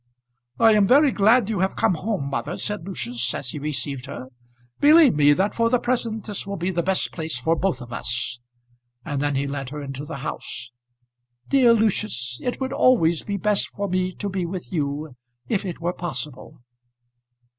"I am very glad you have come home, mother," said Lucius, as he received her. "Believe me that for the present this will be the best place for both of us," and then he led her into the house. "Dear Lucius, it would always be best for me to be with you, if it were possible."